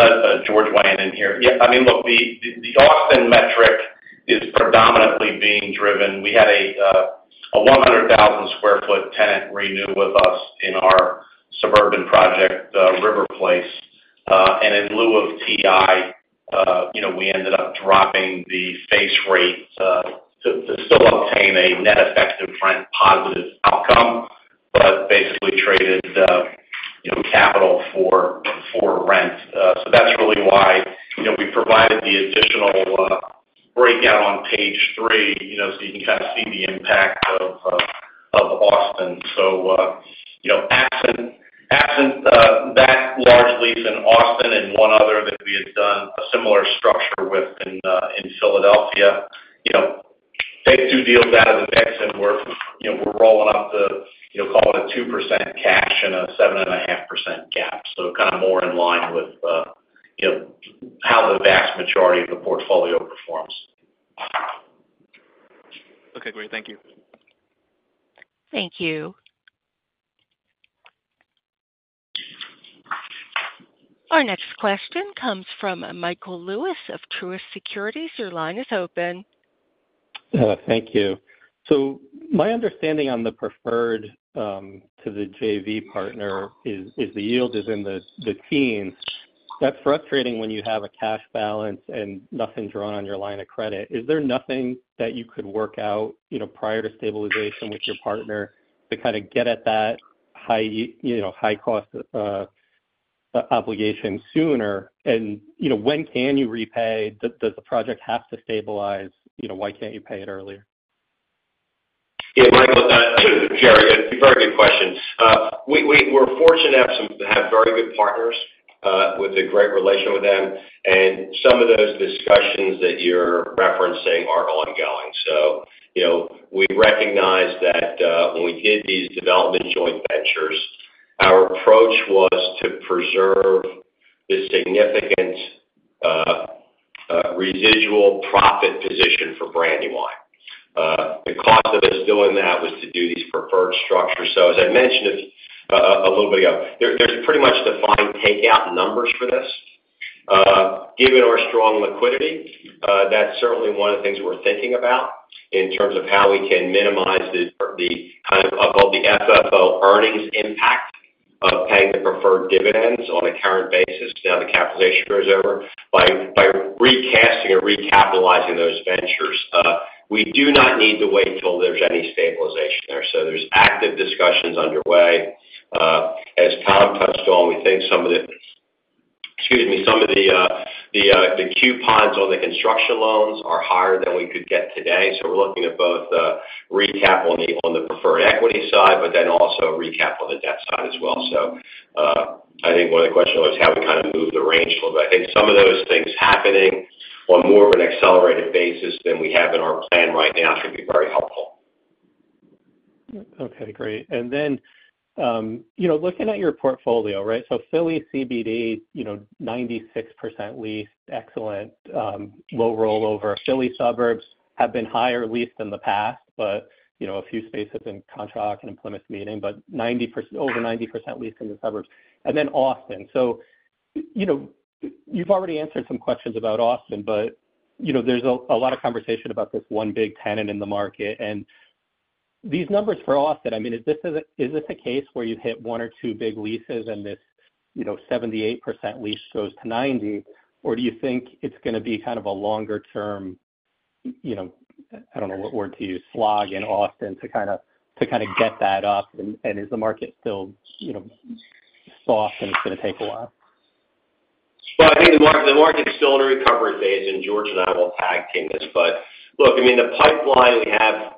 George weighing in here. Yeah. I mean, look, the Austin metric is predominantly being driven. We had a 100,000 sq ft tenant renew with us in our suburban project, River Place. And in lieu of TI, we ended up dropping the face rate to still obtain a net effective rent positive outcome, but basically traded capital for rent. So that's really why we provided the additional breakout on page three, so you can kind of see the impact of Austin. So, absent that large lease in Austin and one other that we had done a similar structure with in Philadelphia, they threw deals out of the mix and we're rolling up the, call it, a 2% cash and a 7.5% GAAP. So kind of more in line with how the vast majority of the portfolio performs. Okay. Great. Thank you. Thank you. Our next question comes from Michael Lewis of Truist Securities. Your line is open. Thank you. So my understanding on the preferred to the JV partner is the yield is in the teens. That's frustrating when you have a cash balance and nothing's drawn on your line of credit. Is there nothing that you could work out prior to stabilization with your partner to kind of get at that high-cost obligation sooner? And when can you repay? Does the project have to stabilize? Why can't you pay it earlier? Yeah, Michael, Jerry, very good questions. We're fortunate to have very good partners with a great relationship with them. And some of those discussions that you're referencing are ongoing. So we recognize that when we did these development joint ventures, our approach was to preserve the significant residual profit position for Brandywine. The cost of us doing that was to do these preferred structures. So, as I mentioned a little bit ago, there's pretty much defined takeout numbers for this. Given our strong liquidity, that's certainly one of the things we're thinking about in terms of how we can minimize the kind of above the FFO earnings impact of paying the preferred dividends on a current basis. Now the capitalization goes over by recasting or recapitalizing those ventures. We do not need to wait till there's any stabilization there. So there's active discussions underway. As Tom touched on, we think some of the, excuse me, some of the coupons on the construction loans are higher than we could get today. So we're looking at both recap on the preferred equity side, but then also recap on the debt side as well. So I think one of the questions was how we kind of move the range a little bit. I think some of those things happening on more of an accelerated basis than we have in our plan right now should be very helpful. Okay. Great. And then looking at your portfolio, right? So Philly CBD, 96% leased, excellent, low rollover. Philly suburbs have been higher leased than the past, but a few spaces in contract and in Plymouth Meeting, but over 90% leased in the suburbs. And then Austin. You've already answered some questions about Austin, but there's a lot of conversation about this one big tenant in the market. And these numbers for Austin, I mean, is this a case where you hit one or two big leases and this 78% lease goes to 90%, or do you think it's going to be kind of a longer-term, I don't know what word to use, slog in Austin to kind of get that up? And is the market still soft and it's going to take a while? Well, I think the market's still in a recovery phase, and George and I will tag team this. But look, I mean, the pipeline we have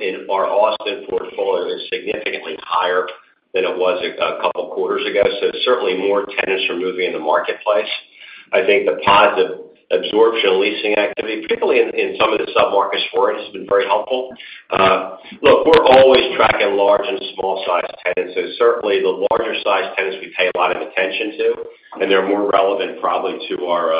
in our Austin portfolio is significantly higher than it was a couple of quarters ago. So certainly more tenants are moving in the marketplace. I think the positive absorption of leasing activity, particularly in some of the submarkets, has been very helpful. Look, we're always tracking large and small-sized tenants. So certainly the larger-sized tenants, we pay a lot of attention to, and they're more relevant probably to our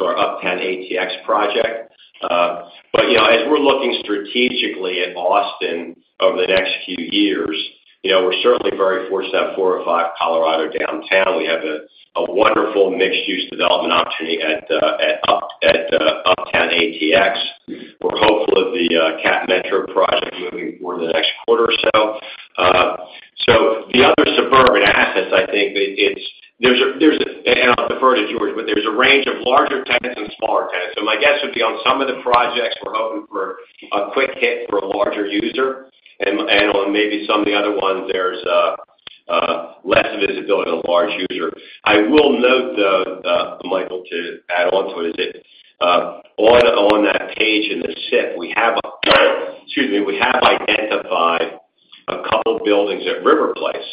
Uptown ATX project. But as we're looking strategically at Austin over the next few years, we're certainly very fortunate to have four or five core downtown. We have a wonderful mixed-use development opportunity at Uptown ATX. We're hopeful of the Cap Metro project moving forward in the next quarter or so. So the other suburban assets, I think there's a—and I'll defer to George, but there's a range of larger tenants and smaller tenants. So my guess would be on some of the projects, we're hoping for a quick hit for a larger user. And on maybe some of the other ones, there's less visibility on a large user. I will note, though, Michael, to add on to it, is that on that page in the SIP, we have, excuse me, we have identified a couple of buildings at River Place,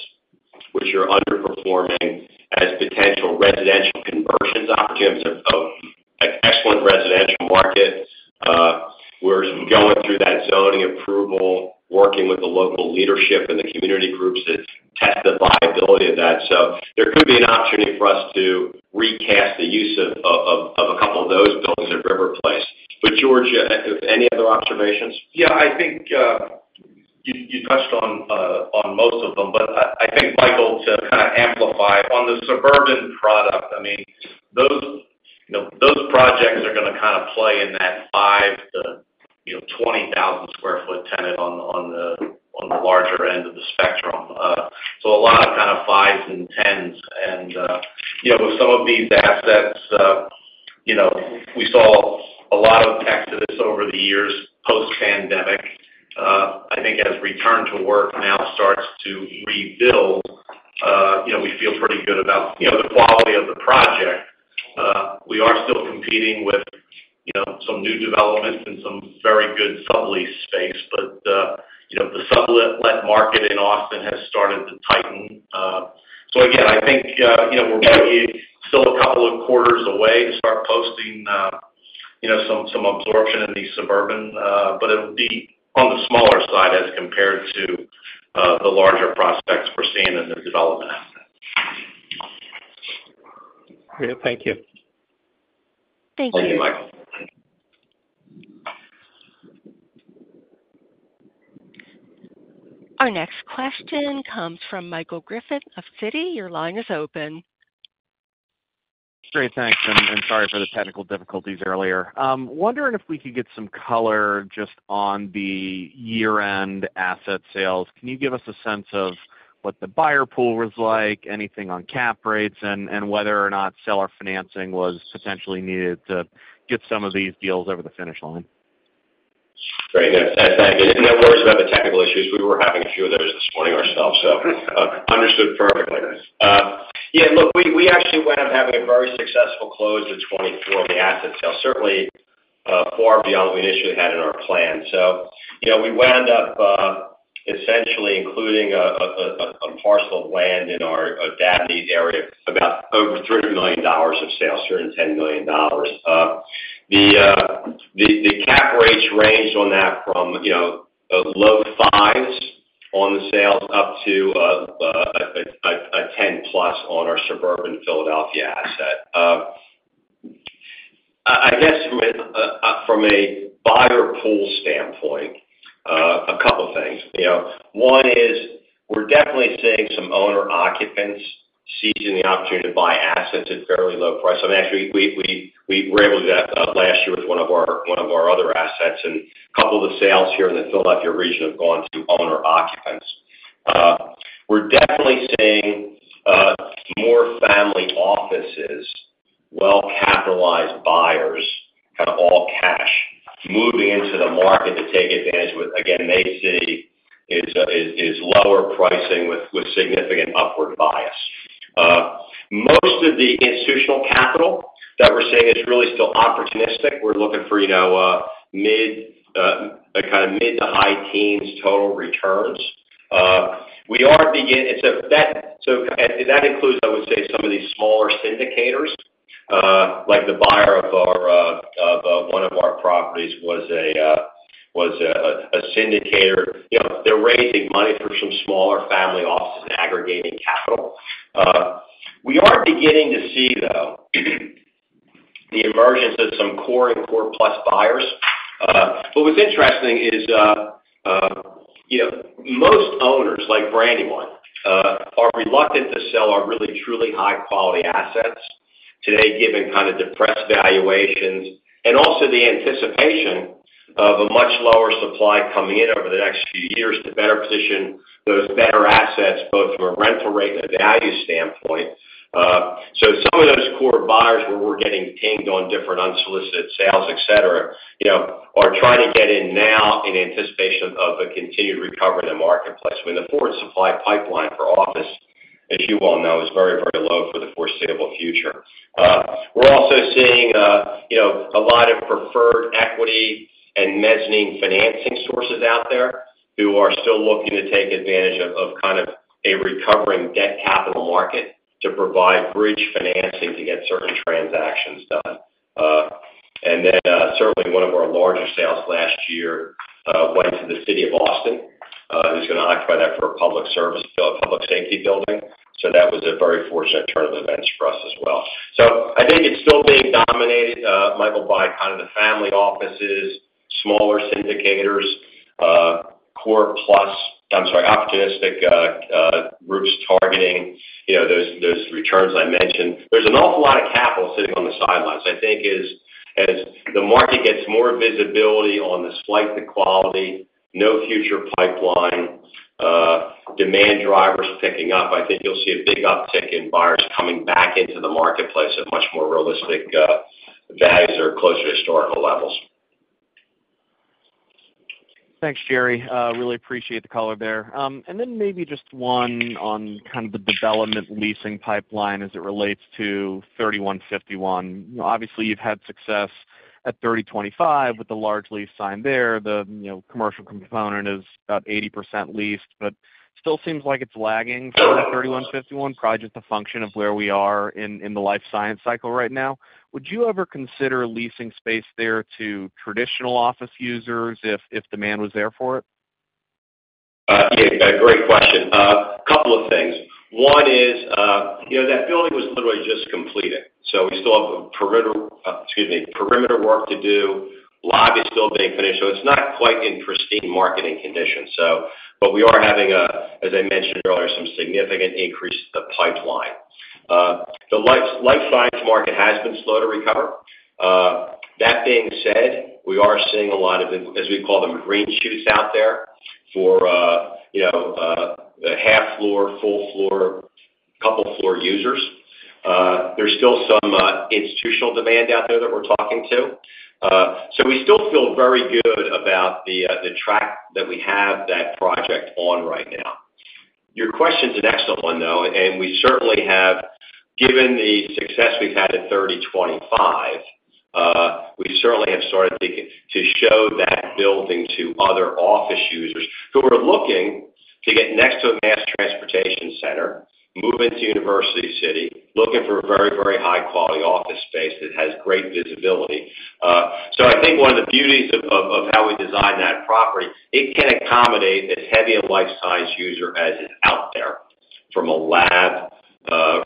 which are underperforming as potential residential conversion opportunities. It's an excellent residential market. We're going through that zoning approval, working with the local leadership and the community groups to test the viability of that. So there could be an opportunity for us to recast the use of a couple of those buildings at River Place. But George, any other observations? Yeah. I think you touched on most of them, but I think, Michael, to kind of amplify on the suburban product, I mean, those projects are going to kind of play in that 5 to 20,000 sq ft tenant on the larger end of the spectrum. So a lot of kind of 5s and 10s. And with some of these assets, we saw a lot of exodus over the years post-pandemic. I think as return to work now starts to rebuild, we feel pretty good about the quality of the project. We are still competing with some new developments and some very good sublease space, but the sublet market in Austin has started to tighten. So again, I think we're maybe still a couple of quarters away to start posting some absorption in the suburban, but it'll be on the smaller side as compared to the larger prospects we're seeing in the development. Great. Thank you. Thank you. Thank you, Michael. Our next question comes from Michael Griffin of Citi. Your line is open. Great. Thanks. And sorry for the technical difficulties earlier. Wondering if we could get some color just on the year-end asset sales. Can you give us a sense of what the buyer pool was like, anything on cap rates, and whether or not seller financing was potentially needed to get some of these deals over the finish line? Great. Thanks. No worries about the technical issues. We were having a few of those this morning ourselves, so understood perfectly. Yeah. Look, we actually wound up having a very successful close to 2024 in the asset sale, certainly far beyond what we initially had in our plan. So we wound up essentially including a parcel of land in our Radnor area, about over $3 million of sales, $310 million. The cap rates ranged on that from low 5s on the sales up to a 10-plus on our suburban Philadelphia asset. I guess from a buyer pool standpoint, a couple of things. One is we're definitely seeing some owner-occupants seizing the opportunity to buy assets at fairly low price. I mean, actually, we were able to do that last year with one of our other assets, and a couple of the sales here in the Philadelphia region have gone to owner-occupants. We're definitely seeing more family offices, well-capitalized buyers, kind of all cash moving into the market to take advantage of what, again, they see is lower pricing with significant upward bias. Most of the institutional capital that we're seeing is really still opportunistic. We're looking for kind of mid to high teens total returns. We are beginning, so that includes, I would say, some of these smaller syndicators. Like the buyer of one of our properties was a syndicator. They're raising money for some smaller family offices and aggregating capital. We are beginning to see, though, the emergence of some core and core plus buyers. What was interesting is most owners like Brandywine are reluctant to sell our really, truly high-quality assets today, given kind of depressed valuations and also the anticipation of a much lower supply coming in over the next few years to better position those better assets both from a rental rate and a value standpoint. So some of those core buyers where we're getting pinged on different unsolicited sales, etc., are trying to get in now in anticipation of a continued recovery in the marketplace. I mean, the forward supply pipeline for office, as you all know, is very, very low for the foreseeable future. We're also seeing a lot of preferred equity and mezzanine financing sources out there who are still looking to take advantage of kind of a recovering debt capital market to provide bridge financing to get certain transactions done. And then certainly, one of our larger sales last year went to the City of Austin. He's going to occupy that for a public service, a public safety building. So that was a very fortunate turn of events for us as well. So I think it's still being dominated, Michael, by kind of the family offices, smaller syndicators, core plus, I'm sorry, opportunistic groups targeting those returns I mentioned. There's an awful lot of capital sitting on the sidelines. I think as the market gets more visibility on the spec, the quality, low future pipeline, demand drivers picking up, I think you'll see a big uptick in buyers coming back into the marketplace at much more realistic values or closer to historical levels. Thanks, Jerry. Really appreciate the color there. And then maybe just one on kind of the development leasing pipeline as it relates to 3151. Obviously, you've had success at 3025 with the large lease signed there. The commercial component is about 80% leased, but still seems like it's lagging behind the 3151. Probably just a function of where we are in the life science cycle right now. Would you ever consider leasing space there to traditional office users if demand was there for it? Yeah. Great question. A couple of things. One is that building was literally just completed. So we still have perimeter, excuse me, perimeter work to do. Life is still being finished. So it's not quite in pristine marketing conditions. But we are having, as I mentioned earlier, some significant increase to the pipeline. The life science market has been slow to recover. That being said, we are seeing a lot of, as we call them, green shoots out there for half-floor, full-floor, couple-floor users. There's still some institutional demand out there that we're talking to. So we still feel very good about the track that we have that project on right now. Your question's an excellent one, though. And we certainly have, given the success we've had at 3025, we certainly have started to show that building to other office users who are looking to get next to a mass transportation center, move into University City, looking for very, very high-quality office space that has great visibility. So I think one of the beauties of how we designed that property, it can accommodate as heavy a life science user as is out there from a lab,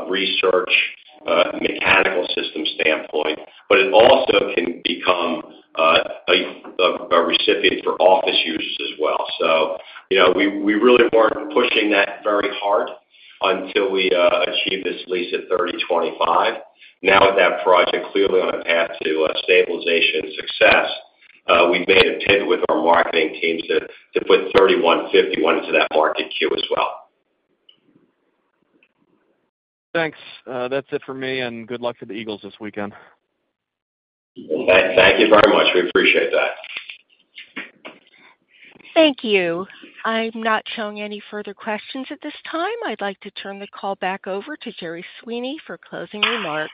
research, mechanical system standpoint, but it also can become a recipient for office users as well. So we really weren't pushing that very hard until we achieved this lease at 3025. Now with that project clearly on a path to stabilization success, we've made a pivot with our marketing teams to put 3151 into that market queue as well. Thanks. That's it for me. And good luck to the Eagles this weekend. Thank you very much. We appreciate that. Thank you. I'm not showing any further questions at this time. I'd like to turn the call back over to Jerry Sweeney for closing remarks.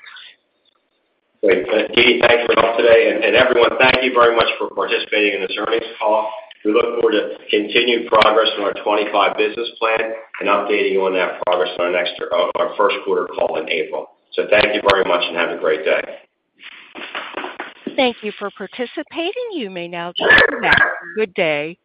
Great. Thank you for all today. Everyone, thank you very much for participating in this earnings call. We look forward to continued progress on our 2025 business plan and updating you on that progress on our first quarter call in April. Thank you very much and have a great day. Thank you for participating. You may now disconnect. Good day.